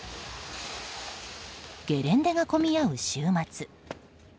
ゲレンデ内が混み合う週末。